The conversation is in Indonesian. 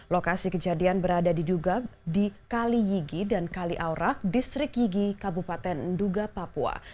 lokasi kejadian berada diduga di kali yigi dan kali aurak distrik yigi kabupaten nduga papua